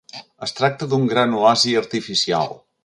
Es tracta d'un gran oasi artificial.